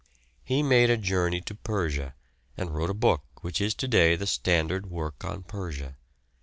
He made a journey to Persia, and wrote a book which is to day the standard work on Persia.